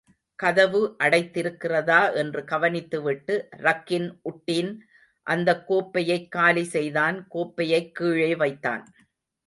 கதவு அடைத்திருக்கிறதா என்று கவனித்துவிட்டு, ரக்கின் உட்டின் அந்தக் கோப்பையைக் காலி செய்தான், கோப்பையைக் கீழே வைத்தான்.